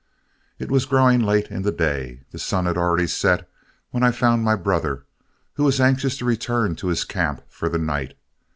It was growing late in the day. The sun had already set when I found my brother, who was anxious to return to his camp for the night.